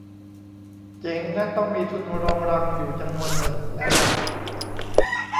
เจ๋งและต้องมีทุนรองรังอยู่จำนวนหนึ่งแล้วล่ะ